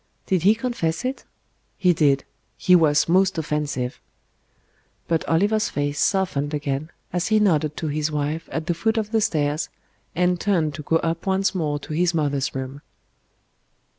"Did he confess it?" "He did. He was most offensive." But Oliver's face softened again as he nodded to his wife at the foot of the stairs, and turned to go up once more to his mother's room.